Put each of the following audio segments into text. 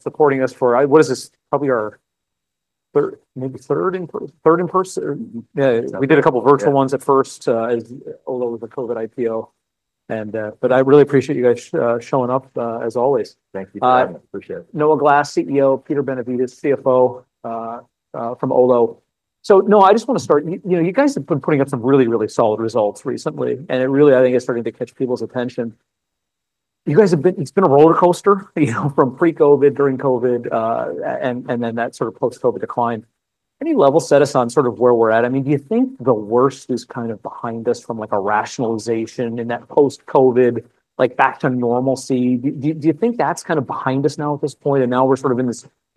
Supporting us for what is this, probably our third, maybe third in-person, or yeah, we did a couple of virtual ones at first, although it was a COVID IPO. I really appreciate you guys showing up as always. Thank you for having us. Appreciate it. Noah Glass, CEO, Peter Benevides, CFO from Olo. So Noah, I just want to start, you guys have been putting up some really, really solid results recently, and it really, I think, is starting to catch people's attention. You guys have been, it's been a roller coaster from pre-COVID, during COVID, and then that sort of post-COVID decline. Any level set us on sort of where we're at? I mean, do you think the worst is kind of behind us from like a rationalization in that post-COVID, like back to normalcy? Do you think that's kind of behind us now at this point? And now we're sort of in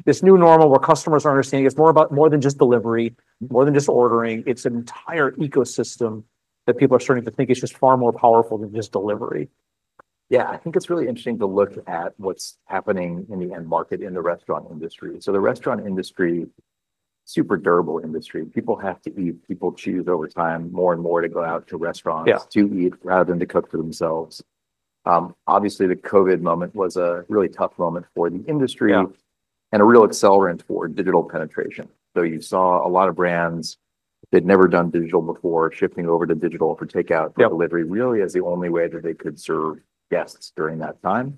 this new normal where customers are understanding it's more than just delivery, more than just ordering. It's an entire ecosystem that people are starting to think is just far more powerful than just delivery. Yeah, I think it's really interesting to look at what's happening in the end market, in the restaurant industry. So the restaurant industry, super durable industry. People have to eat, people choose over time more and more to go out to restaurants to eat rather than to cook for themselves. Obviously, the COVID moment was a really tough moment for the industry and a real accelerant for digital penetration. So you saw a lot of brands that had never done digital before shifting over to digital for takeout for delivery really as the only way that they could serve guests during that time.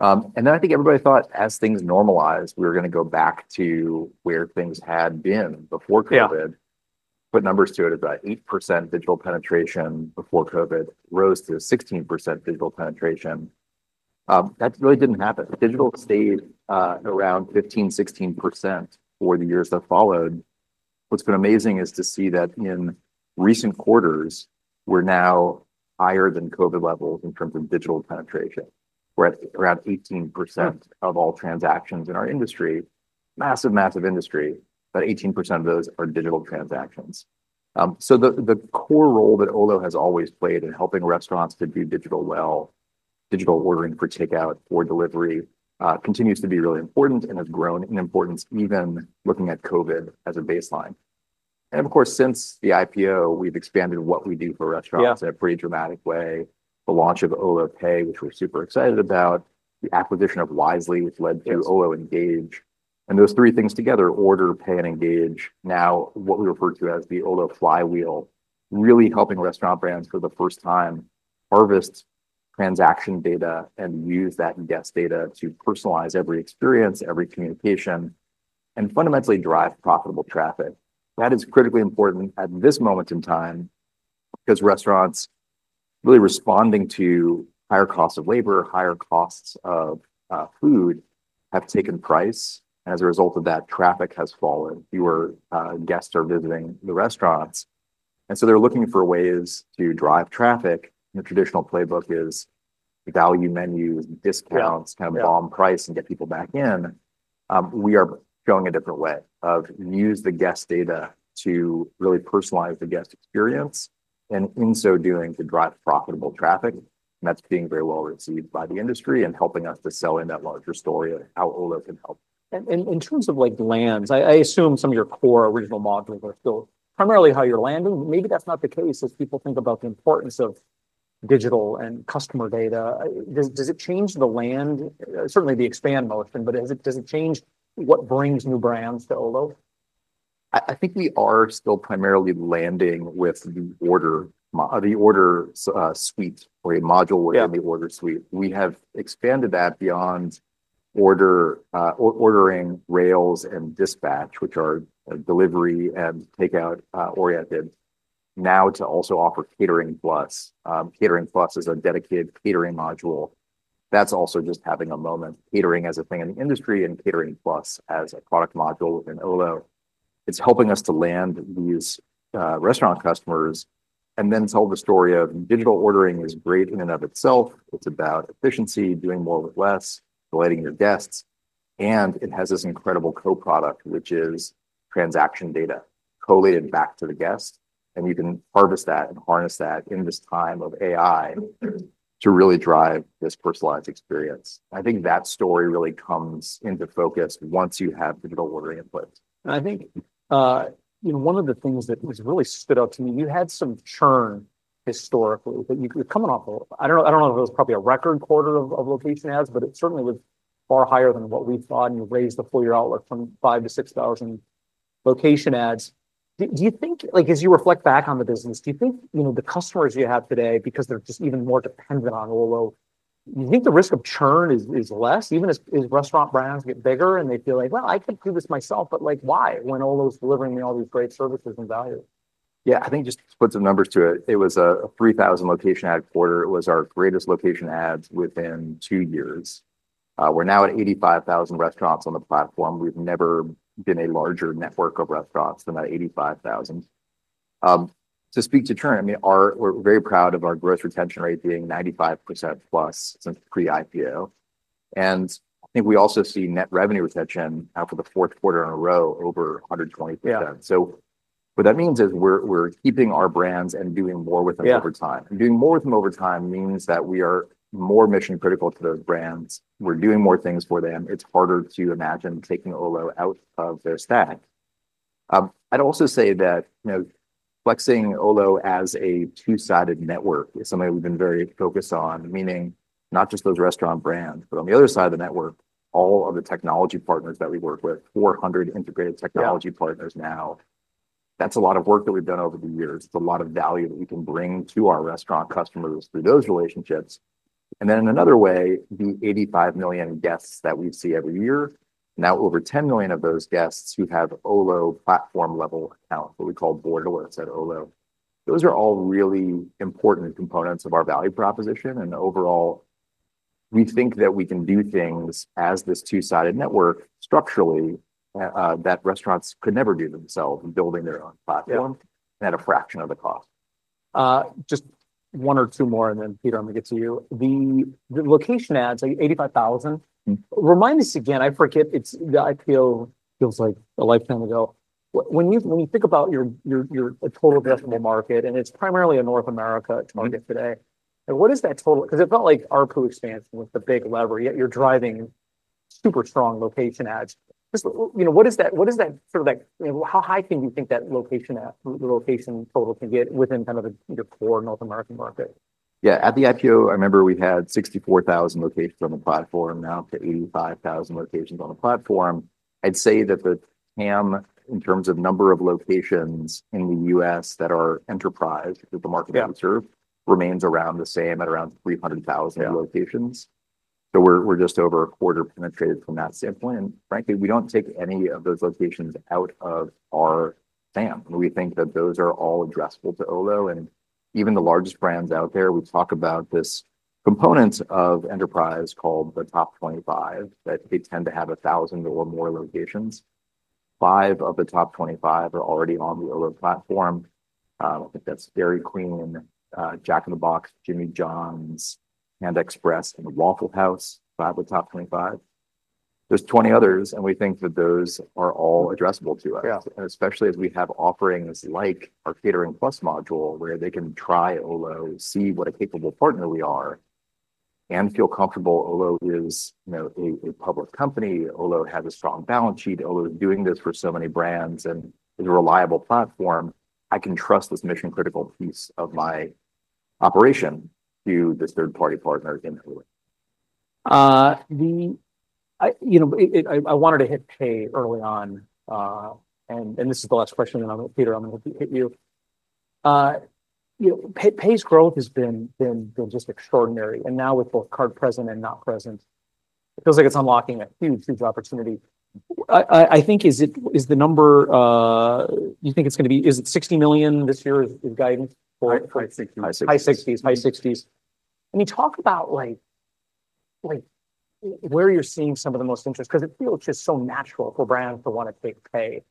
And then I think everybody thought as things normalized, we were going to go back to where things had been before COVID. Put numbers to it, it's about 8% digital penetration before COVID rose to 16% digital penetration. That really didn't happen. Digital stayed around 15%-16% for the years that followed. What's been amazing is to see that in recent quarters, we're now higher than COVID levels in terms of digital penetration, whereas around 18% of all transactions in our industry, massive, massive industry, but 18% of those are digital transactions. So the core role that Olo has always played in helping restaurants to do digital well, digital ordering for takeout for delivery continues to be really important and has grown in importance even looking at COVID as a baseline. And of course, since the IPO, we've expanded what we do for restaurants in a pretty dramatic way. The launch of Olo Pay, which we're super excited about, the acquisition of Wisely, which led to Olo Engage. And those three things together, Order, Pay, and Engage, now what we refer to as the Olo flywheel, really helping restaurant brands for the first time harvest transaction data and use that guest data to personalize every experience, every communication, and fundamentally drive profitable traffic. That is critically important at this moment in time because restaurants really responding to higher costs of labor, higher costs of food have taken price. And as a result of that, traffic has fallen. Fewer guests are visiting the restaurants. And so they're looking for ways to drive traffic. The traditional playbook is value menus, discounts, kind of bomb price and get people back in. We are going a different way of use the guest data to really personalize the guest experience and in so doing to drive profitable traffic. That's being very well received by the industry and helping us to sell in that larger story of how Olo can help. In terms of like land, I assume some of your core original models are still primarily how you're landing. Maybe that's not the case as people think about the importance of digital and customer data. Does it change the land, certainly the expansion, but does it change what brings new brands to Olo? I think we are still primarily landing with the order Suite or a module within the order Suite. We have expanded that beyond Rails and Dispatch, which are delivery and takeout oriented, now to also offer Catering+. Catering+ is a dedicated catering module. That's also just having a moment. Catering as a thing in the industry and Catering+ as a product module within Olo. It's helping us to land these restaurant customers and then tell the story of digital ordering is great in and of itself. It's about efficiency, doing more with less, delighting your guests. And it has this incredible co-product, which is transaction data collated back to the guest. And you can harvest that and harness that in this time of AI to really drive this personalized experience. I think that story really comes into focus once you have digital ordering input. I think one of the things that really stood out to me, you had some churn historically that you're coming off of. I don't know if it was probably a record quarter of location adds, but it certainly was far higher than what we thought. And you raised the full year outlook from five to six thousand location adds. Do you think, as you reflect back on the business, do you think the customers you have today, because they're just even more dependent on Olo, do you think the risk of churn is less? Even as restaurant brands get bigger and they feel like, well, I can do this myself, but why when Olo's delivering me all these great services and value? Yeah, I think just to put some numbers to it, it was a 3,000 location add quarter. It was our greatest location adds within two years. We're now at 85,000 restaurants on the platform. We've never been a larger network of restaurants than that 85,000. To speak to churn, I mean, we're very proud of our gross retention rate being 95% plus since pre-IPO. And I think we also see net revenue retention after the fourth quarter in a row over 120%. So what that means is we're keeping our brands and doing more with them over time. And doing more with them over time means that we are more mission critical to those brands. We're doing more things for them. It's harder to imagine taking Olo out of their stack. I'd also say that flexing Olo as a two-sided network is something we've been very focused on, meaning not just those restaurant brands, but on the other side of the network, all of the technology partners that we work with, 400 integrated technology partners now. That's a lot of work that we've done over the years. It's a lot of value that we can bring to our restaurant customers through those relationships. And then in another way, the 85 million guests that we see every year, now over 10 million of those guests who have Olo platform level accounts, what we call Borderless at Olo. Those are all really important components of our value proposition. And overall, we think that we can do things as this two-sided network structurally that restaurants could never do themselves in building their own platform and at a fraction of the cost. Just one or two more, and then Peter, I'm going to get to you. The location adds, 85,000. Remind us again, I forget, it's the IPO feels like a lifetime ago. When you think about your total addressable market, and it's primarily a North America target today, what is that total? Because it felt like ARPU expansion was the big lever, yet you're driving super strong location adds. What is that sort of like, how high can you think that location total can get within kind of your core North American market? Yeah, at the IPO, I remember we had 64,000 locations on the platform, now to 85,000 locations on the platform. I'd say that the TAM in terms of number of locations in the U.S. that are enterprise, that the market that we serve, remains around the same at around 300,000 locations. So we're just over a quarter penetrated from that standpoint. And frankly, we don't take any of those locations out of our TAM. We think that those are all addressable to Olo. And even the largest brands out there, we talk about this component of enterprise called the top 25 that they tend to have 1,000 or more locations. Five of the top 25 are already on the Olo platform. I think that's Dairy Queen, Jack in the Box, Jimmy John's, Panda Express, and Waffle House, five of the top 25. There's 20 others, and we think that those are all addressable to us, especially as we have offerings like our Catering+ module, where they can try Olo, see what a capable partner we are, and feel comfortable. Olo is a public company. Olo has a strong balance sheet. Olo is doing this for so many brands and is a reliable platform. I can trust this mission critical piece of my operation to this third-party partner in Olo. I wanted to hit Pay early on, and this is the last question. Peter, I'm going to hit you. Pay's growth has been just extraordinary. And now with both card present and not present, it feels like it's unlocking a huge, huge opportunity. I think is the number you think it's going to be, is it $60 million this year [for] guidance? High 60s. High 60s. High 60s. Can you talk about where you're seeing some of the most interest? Because it feels just so natural for brands to want to take pay.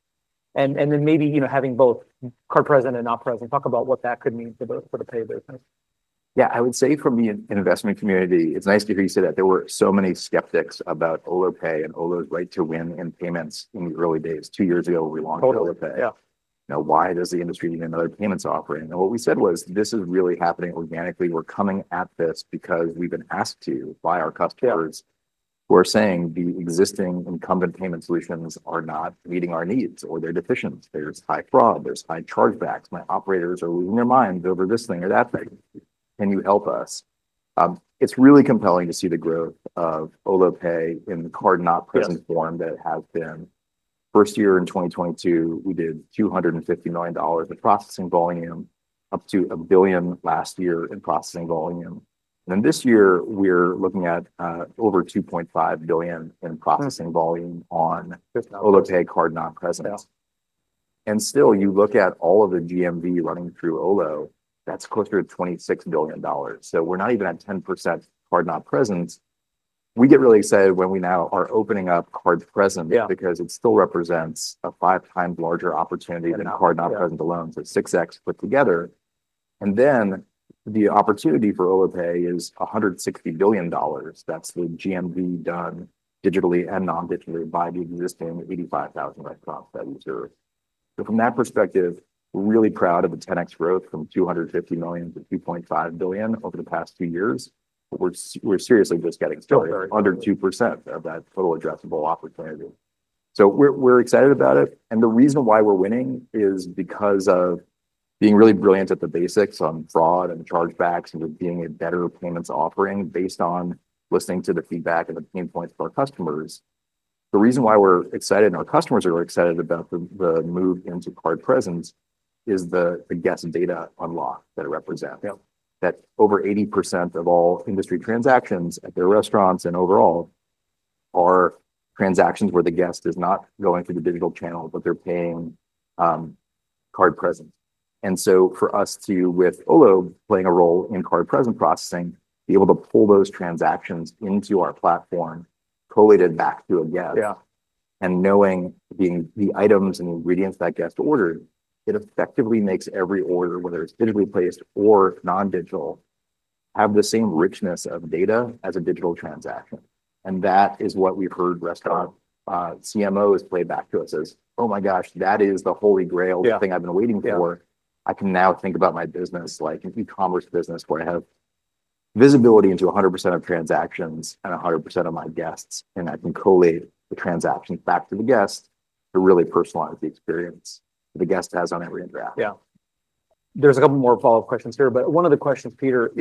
And then maybe having both card present and card not present, talk about what that could mean for the Pay business. Yeah, I would say for me in the investment community, it's nice to hear you say that there were so many skeptics about Olo Pay and Olo's right to win in payments in the early days. Two years ago, we launched Olo Pay. Now, why does the industry need another payments offering? And what we said was, this is really happening organically. We're coming at this because we've been asked to by our customers who are saying the existing incumbent payment solutions are not meeting our needs or they're deficient. There's high fraud, there's high chargebacks. My operators are losing their minds over this thing or that thing. Can you help us? It's really compelling to see the growth of Olo Pay in the card not present form that has been. First year in 2022, we did $250 million in processing volume, up to $1 billion last year in processing volume. And then this year, we're looking at over $2.5 billion in processing volume on Olo Pay card not present. And still, you look at all of the GMV running through Olo, that's closer to $26 billion. So we're not even at 10% card not present. We get really excited when we now are opening up card present because it still represents a five times larger opportunity than card not present alone, so six X put together. And then the opportunity for Olo Pay is $160 billion. That's the GMV done digitally and non-digitally by the existing 85,000 restaurants that we serve. So from that perspective, we're really proud of the 10X growth from $250 million to $2.5 billion over the past two years. We're seriously just getting started, under 2% of that total addressable opportunity. So we're excited about it. And the reason why we're winning is because of being really brilliant at the basics on fraud and chargebacks and being a better payments offering based on listening to the feedback and the pain points of our customers. The reason why we're excited and our customers are excited about the move into card present is the guest data unlock that it represents. That over 80% of all industry transactions at their restaurants and overall are transactions where the guest is not going through the digital channel, but they're paying card present. And so for us to, with Olo playing a role in card present processing, be able to pull those transactions into our platform, collated back to a guest, and knowing the items and ingredients that guest ordered, it effectively makes every order, whether it's digitally placed or non-digital, have the same richness of data as a digital transaction. And that is what we've heard restaurant CMOs play back to us as, "Oh my gosh, that is the holy grail thing I've been waiting for." I can now think about my business like an e-commerce business where I have visibility into 100% of transactions and 100% of my guests, and I can collate the transactions back to the guest to really personalize the experience the guest has on every interaction. Yeah. There's a couple more follow-up questions here, but one of the questions, Peter,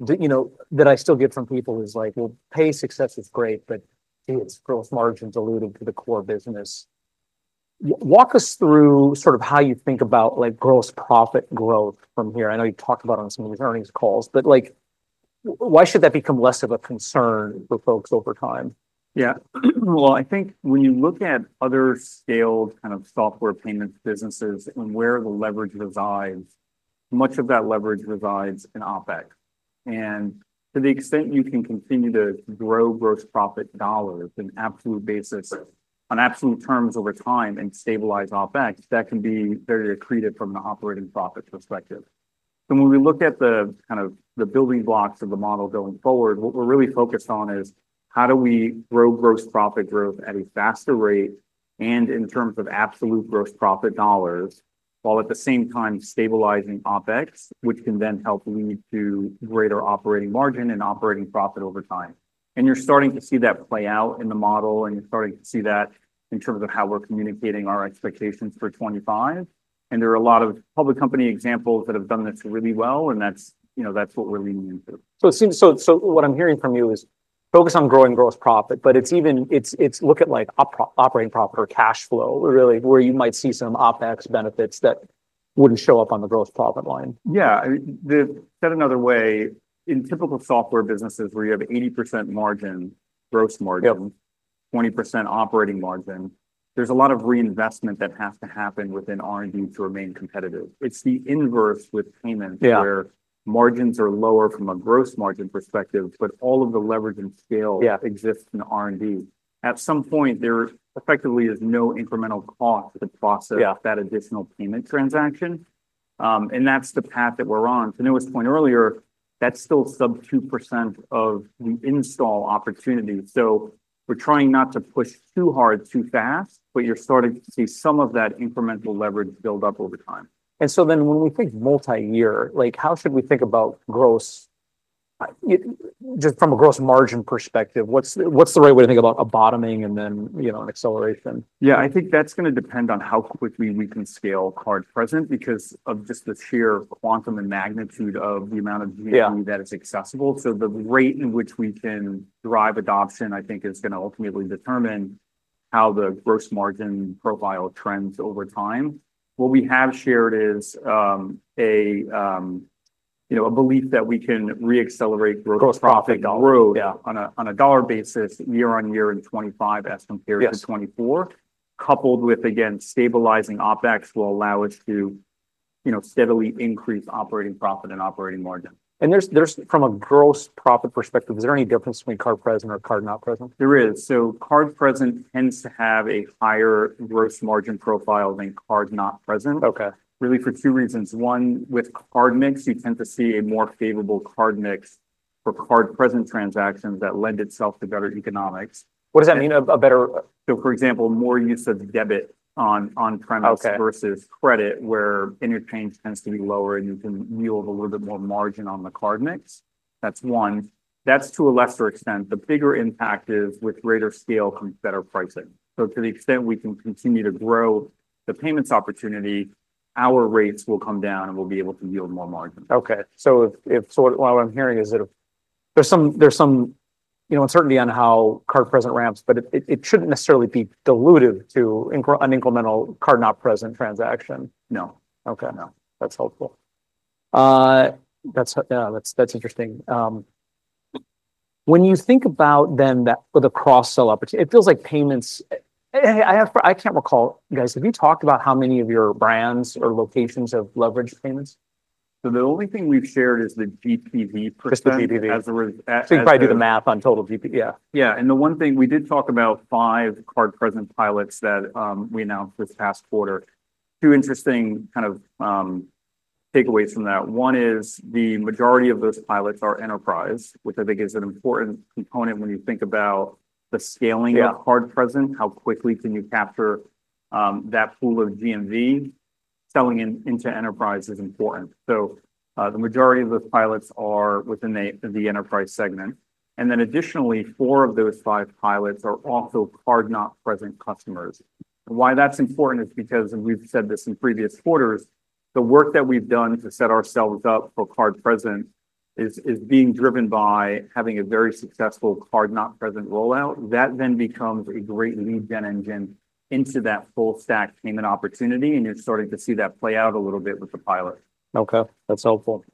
that I still get from people is like, "Well, pay success is great, but it's gross margins alluding to the core business." Walk us through sort of how you think about gross profit growth from here. I know you talked about it on some of these earnings calls, but why should that become less of a concern for folks over time? Yeah. Well, I think when you look at other scaled kind of software payments businesses and where the leverage resides, much of that leverage resides in OPEX. And to the extent you can continue to grow gross profit dollars on absolute basis, on absolute terms over time and stabilize OPEX, that can be very accretive from an operating profit perspective. So when we look at the kind of the building blocks of the model going forward, what we're really focused on is how do we grow gross profit growth at a faster rate and in terms of absolute gross profit dollars, while at the same time stabilizing OPEX, which can then help lead to greater operating margin and operating profit over time. And you're starting to see that play out in the model, and you're starting to see that in terms of how we're communicating our expectations for 2025. There are a lot of public company examples that have done this really well, and that's what we're leaning into. So, what I'm hearing from you is focus on growing gross profit, but it's even look at like operating profit or cash flow, really, where you might see some OPEX benefits that wouldn't show up on the gross profit line. Yeah. I mean, said another way, in typical software businesses where you have 80% margin, gross margin, 20% operating margin, there's a lot of reinvestment that has to happen within R&D to remain competitive. It's the inverse with payments where margins are lower from a gross margin perspective, but all of the leverage and scale exists in R&D. At some point, there effectively is no incremental cost to process that additional payment transaction. And that's the path that we're on. To Noah's point earlier, that's still sub 2% of the install opportunity. So we're trying not to push too hard, too fast, but you're starting to see some of that incremental leverage build up over time. And so then when we think multi-year, how should we think about gross just from a gross margin perspective? What's the right way to think about a bottoming and then an acceleration? Yeah, I think that's going to depend on how quickly we can scale card present because of just the sheer quantum and magnitude of the amount of GMV that is accessible. So the rate in which we can drive adoption, I think, is going to ultimately determine how the gross margin profile trends over time. What we have shared is a belief that we can re-accelerate gross profit growth on a dollar basis year on year in 2025 as compared to 2024, coupled with, again, stabilizing OPEX will allow us to steadily increase operating profit and operating margin. From a gross profit perspective, is there any difference between card present or card not present? There is. So card present tends to have a higher gross margin profile than card not present, really for two reasons. One, with card mix, you tend to see a more favorable card mix for card present transactions that lend itself to better economics. What does that mean? A better? So, for example, more use of debit on premise versus credit, where interchange tends to be lower and you can yield a little bit more margin on the card mix. That's one. That's to a lesser extent. The bigger impact is with greater scale from better pricing. So to the extent we can continue to grow the payments opportunity, our rates will come down and we'll be able to yield more margin. Okay. So what I'm hearing is that there's some uncertainty on how card present ramps, but it shouldn't necessarily be dilutive to an incremental card not present transaction. No. No. Okay. That's helpful. That's interesting. When you think about then the cross-sell opportunity, it feels like payments. I can't recall, guys, have you talked about how many of your brands or locations have leveraged payments? The only thing we've shared is the GPV %. Just the GPV. So you can probably do the math on total GPV. Yeah. Yeah. And the one thing we did talk about five card present pilots that we announced this past quarter. Two interesting kind of takeaways from that. One is the majority of those pilots are enterprise, which I think is an important component when you think about the scaling of card present. How quickly can you capture that pool of GMV? Selling into enterprise is important. So the majority of those pilots are within the enterprise segment. And then additionally, four of those five pilots are also card not present customers. And why that's important is because, and we've said this in previous quarters, the work that we've done to set ourselves up for card present is being driven by having a very successful card not present rollout. That then becomes a great lead gen engine into that full-stack payment opportunity, and you're starting to see that play out a little bit with the pilot. Okay. That's helpful.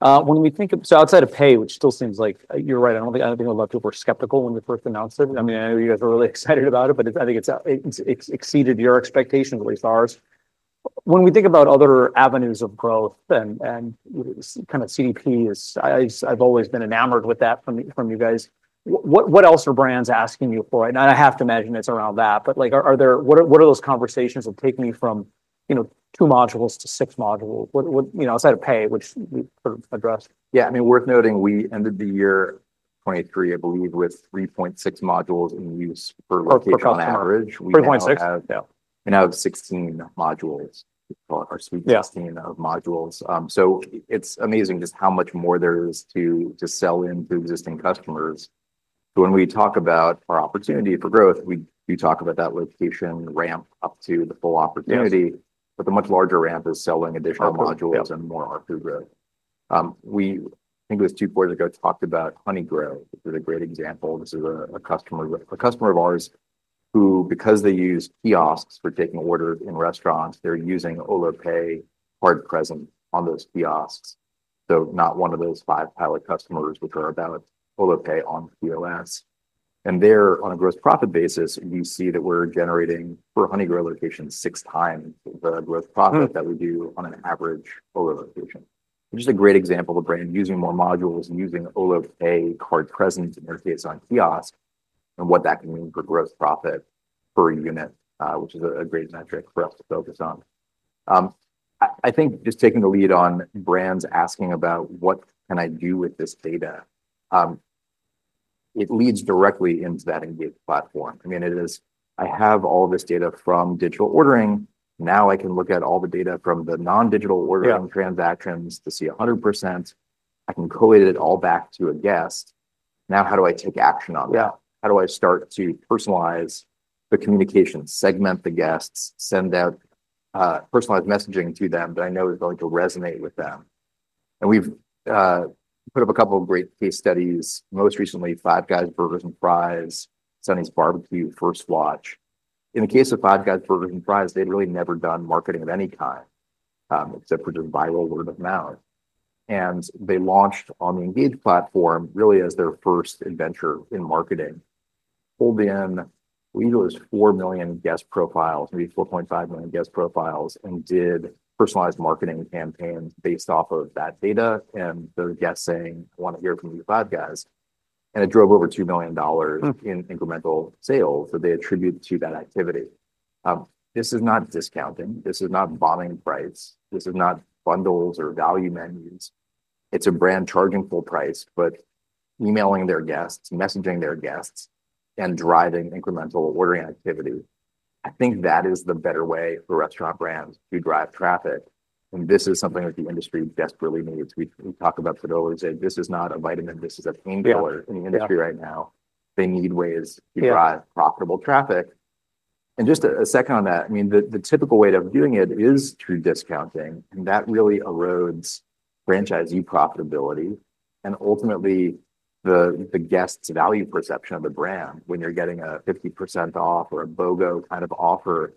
When we think of, so outside of pay, which still seems like you're right, I don't think I left you overly skeptical when we first announced it. I mean, I know you guys were really excited about it, but I think it's exceeded your expectations at least ours. When we think about other avenues of growth and kind of CDP, I've always been enamored with that from you guys. What else are brands asking you for? And I have to imagine it's around that, but what are those conversations that take me from two modules to six modules outside of pay, which we sort of addressed? Yeah. I mean, worth noting, we ended the year 2023, I believe, with 3.6 modules in use per location on average. 3.6? Now 16 modules, our sweet 16 of modules. It's amazing just how much more there is to sell into existing customers. When we talk about our opportunity for growth, we talk about that location ramp up to the full opportunity, but the much larger ramp is selling additional modules and more through growth. I think it was two points ago talked about Honeygrow, which is a great example. This is a customer of ours who, because they use kiosks for taking orders in restaurants, they're using Olo Pay card present on those kiosks. Not one of those five pilot customers, which are about Olo Pay on POS. And there, on a gross profit basis, you see that we're generating for Honeygrow locations six times the gross profit that we do on an average Olo location. which is a great example of a brand using more modules and using Olo Pay card present, in their case on kiosks, and what that can mean for gross profit per unit, which is a great metric for us to focus on. I think just taking the lead on brands asking about, "What can I do with this data?" It leads directly into that Engage platform. I mean, it is, "I have all this data from digital ordering. Now I can look at all the data from the non-digital ordering transactions to see 100%. I can collate it all back to a guest. Now how do I take action on that? How do I start to personalize the communication, segment the guests, send out personalized messaging to them that I know is going to resonate with them?" And we've put up a couple of great case studies. Most recently, Five Guys Burgers and Fries, Sonny's BBQ, First Watch. In the case of Five Guys Burgers and Fries, they'd really never done marketing of any kind except for just viral word of mouth. And they launched on the Engage platform really as their first adventure in marketing. Pulled in, we used 4 million guest profiles, maybe 4.5 million guest profiles, and did personalized marketing campaigns based off of that data and the guests saying, "I want to hear from you Five Guys." And it drove over $2 million in incremental sales that they attribute to that activity. This is not discounting. This is not bombing price. This is not bundles or value menus. It's a brand charging full price, but emailing their guests, messaging their guests, and driving incremental ordering activity. I think that is the better way for restaurant brands to drive traffic. And this is something that the industry desperately needs. We talk about it today. This is not a vitamin. This is a painkiller in the industry right now. They need ways to drive profitable traffic. And just a second on that. I mean, the typical way of doing it is through discounting, and that really erodes franchisee profitability and ultimately the guest's value perception of the brand when you're getting a 50% off or a BOGO kind of offer.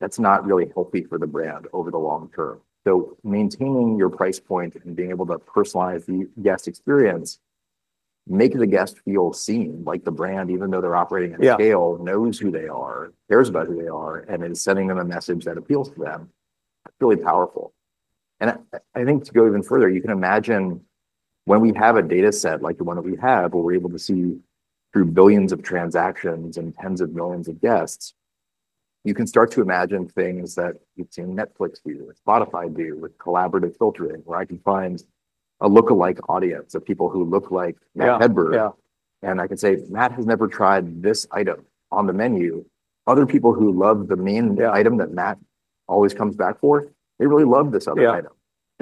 That's not really healthy for the brand over the long term. So maintaining your price point and being able to personalize the guest experience, make the guest feel seen like the brand, even though they're operating at scale, knows who they are, cares about who they are, and is sending them a message that appeals to them. That's really powerful. And I think to go even further, you can imagine when we have a data set like the one that we have where we're able to see through billions of transactions and tens of millions of guests, you can start to imagine things that you've seen Netflix do, Spotify do, with collaborative filtering, where I can find a lookalike audience of people who look like Matt Hedberg. And I can say, "Matt has never tried this item on the menu." Other people who love the main item that Matt always comes back for, they really love this other item.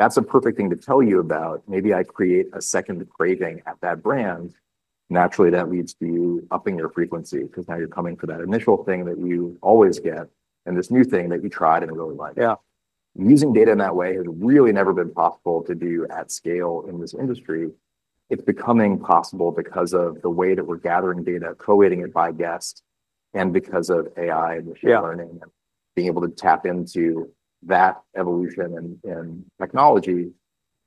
That's a perfect thing to tell you about. Maybe I create a second craving at that brand. Naturally, that leads to you upping your frequency because now you're coming for that initial thing that you always get and this new thing that you tried and really liked. Using data in that way has really never been possible to do at scale in this industry. It's becoming possible because of the way that we're gathering data, collating it by guest, and because of AI and machine learning and being able to tap into that evolution and technology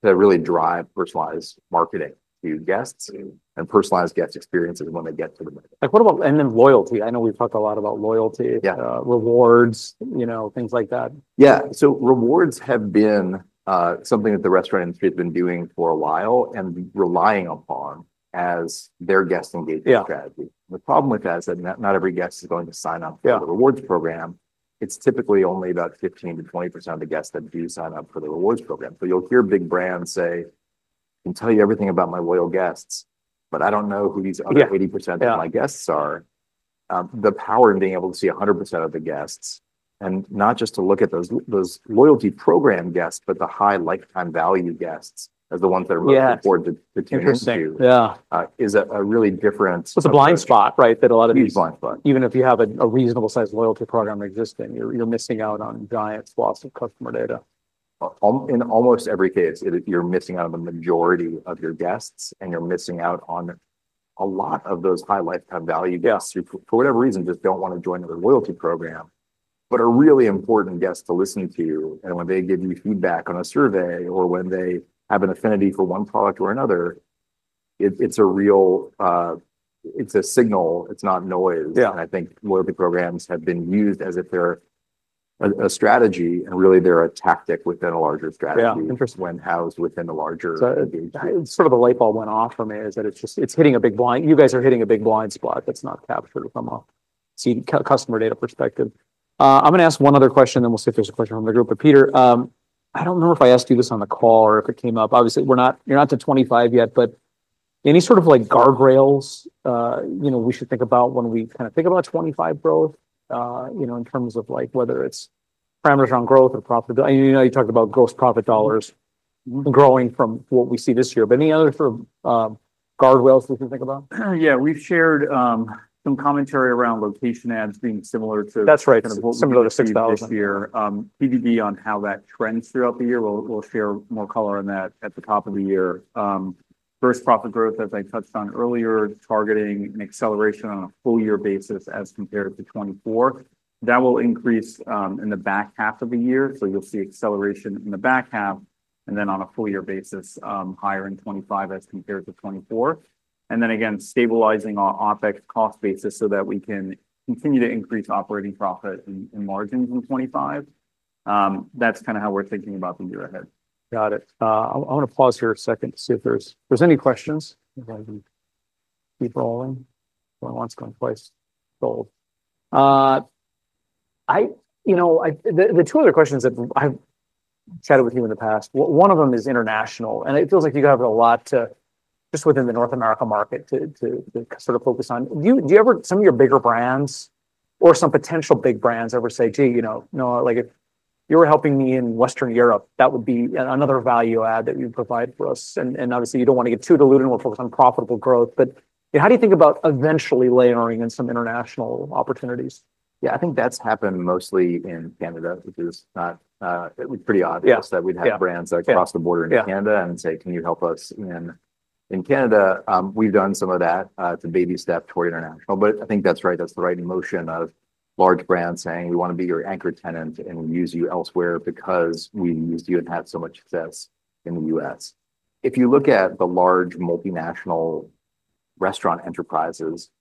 to really drive personalized marketing to guests and personalized guest experiences when they get to the menu. Loyalty. I know we've talked a lot about loyalty, rewards, things like that. Yeah. So rewards have been something that the restaurant industry has been doing for a while and relying upon as their guest engagement strategy. The problem with that is that not every guest is going to sign up for the rewards program. It's typically only about 15%-20% of the guests that do sign up for the rewards program. So you'll hear big brands say, "I can tell you everything about my loyal guests, but I don't know who these other 80% of my guests are." The power in being able to see 100% of the guests and not just to look at those loyalty program guests, but the high lifetime value guests as the ones that are most important to tend to is a really different. It's a blind spot, right, that a lot of these even if you have a reasonable size loyalty program existing, you're missing out on giant swaths of customer data. In almost every case, you're missing out on the majority of your guests, and you're missing out on a lot of those high lifetime value guests who, for whatever reason, just don't want to join the loyalty program, but are really important guests to listen to. When they give you feedback on a survey or when they have an affinity for one product or another, it's a signal. It's not noise. I think loyalty programs have been used as if they're a strategy and really they're a tactic within a larger strategy when housed within a larger engagement. So, sort of, the light bulb went off for me is that it's hitting a big blind spot. You guys are hitting a big blind spot that's not captured from a customer data perspective. I'm going to ask one other question, then we'll see if there's a question from the group. But Peter, I don't remember if I asked you this on the call or if it came up. Obviously, you're not to 25 yet, but any sort of guardrails we should think about when we kind of think about 25 growth in terms of whether it's parameters on growth or profitability? I mean, you talked about gross profit dollars growing from what we see this year. But any other sort of guardrails we can think about? Yeah. We've shared some commentary around location ads being similar to. That's right. Similar to $6 this year. GPV on how that trends throughout the year. We'll share more color on that at the top of the year. Gross profit growth, as I touched on earlier, targeting an acceleration on a full year basis as compared to 2024. That will increase in the back half of the year. So you'll see acceleration in the back half and then on a full year basis, higher in 2025 as compared to 2024. And then again, stabilizing our OPEX cost basis so that we can continue to increase operating profit and margins in 2025. That's kind of how we're thinking about the year ahead. Got it. I want to pause here a second to see if there's any questions. Keep rolling. Going once, going twice, gold. The two other questions that I've chatted with you in the past, one of them is international, and it feels like you have a lot just within the North America market to sort of focus on. Do some of your bigger brands or some potential big brands ever say, "Gee, you know, if you were helping me in Western Europe, that would be another value add that you provide for us"? And obviously, you don't want to get too diluted and we'll focus on profitable growth. But how do you think about eventually layering in some international opportunities? Yeah, I think that's happened mostly in Canada, which is pretty obvious that we'd have brands that cross the border into Canada and say, "Can you help us in Canada?" We've done some of that to baby step toward international. But I think that's right. That's the right notion of large brands saying, "We want to be your anchor tenant and use you elsewhere because we've used you and had so much success in the U.S." If you look at the large multinational restaurant enterprises,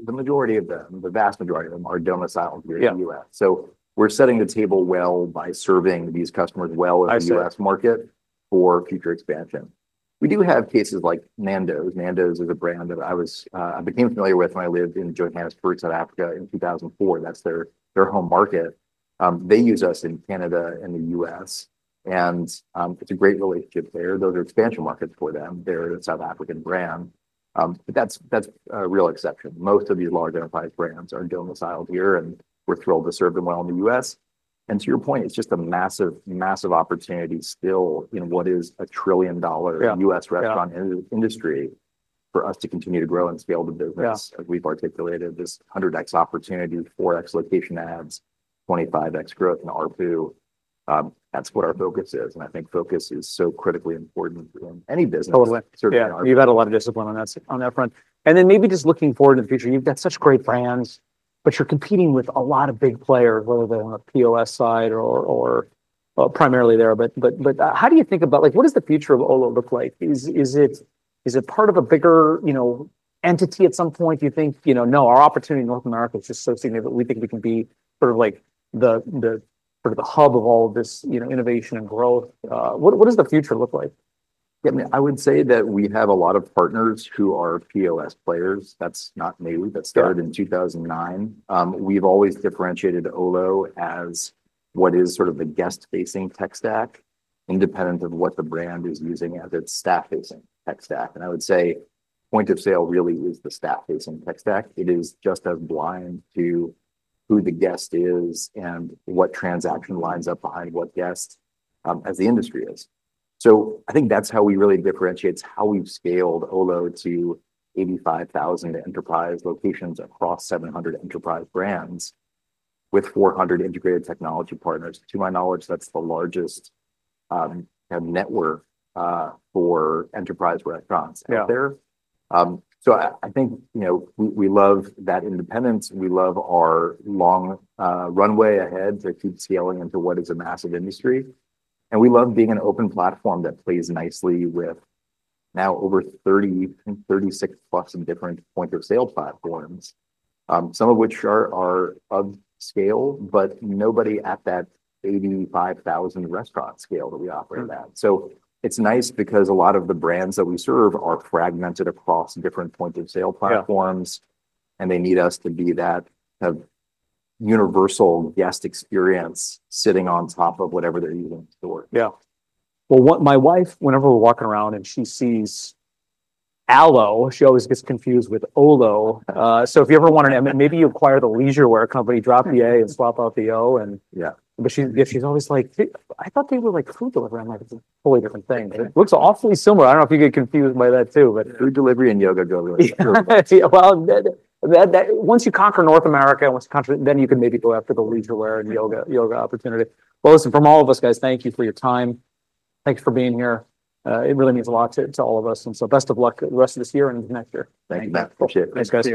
the majority of them, the vast majority of them are domiciled here in the U.S. So we're setting the table well by serving these customers well in the U.S. market for future expansion. We do have cases like Nando's. Nando's is a brand that I became familiar with when I lived in Johannesburg, South Africa in 2004. That's their home market. They use us in Canada and the U.S., and it's a great relationship there. Those are expansion markets for them. They're a South African brand. But that's a real exception. Most of these large enterprise brands are domiciled here, and we're thrilled to serve them well in the U.S. And to your point, it's just a massive, massive opportunity still in what is a trillion-dollar U.S. restaurant industry for us to continue to grow and scale the business as we've articulated. This 100X opportunity, 4X location ads, 25X growth in our pool. That's what our focus is. And I think focus is so critically important in any business. Totally. You've had a lot of discipline on that front. And then maybe just looking forward to the future, you've got such great brands, but you're competing with a lot of big players, whether they're on the POS side or primarily there. But how do you think about what does the future of Olo look like? Is it part of a bigger entity at some point? Do you think, "No, our opportunity in North America is just so significant. We think we can be sort of the hub of all of this innovation and growth"? What does the future look like? I mean, I would say that we have a lot of partners who are POS players. That's not new. That started in 2009. We've always differentiated Olo as what is sort of the guest-facing tech stack, independent of what the brand is using as its staff-facing tech stack, and I would say point of sale really is the staff-facing tech stack. It is just as blind to who the guest is and what transaction lines up behind what guest as the industry is, so I think that's how we really differentiate how we've scaled Olo to 85,000 enterprise locations across 700 enterprise brands with 400 integrated technology partners. To my knowledge, that's the largest network for enterprise restaurants out there, so I think we love that independence. We love our long runway ahead to keep scaling into what is a massive industry. And we love being an open platform that plays nicely with now over 36 plus different point of sale platforms, some of which are of scale, but nobody at that 85,000 restaurant scale that we operate at. So it's nice because a lot of the brands that we serve are fragmented across different point of sale platforms, and they need us to be that universal guest experience sitting on top of whatever they're using to work. Yeah. Well, my wife, whenever we're walking around and she sees Alo, she always gets confused with Olo. So if you ever wanted to, maybe you acquire the Leisurewear Company, drop the A and swap out the O. But she's always like, "I thought they were like food delivery." I'm like, "It's a totally different thing." It looks awfully similar. I don't know if you get confused by that too, but. Food delivery and Yoga delivery. Once you conquer North America, then you can maybe go after the Leisurewear and Yoga opportunity. Listen, from all of us, guys, thank you for your time. Thanks for being here. It really means a lot to all of us. And so best of luck the rest of this year and into next year. Thank you. Appreciate it. Thanks, guys.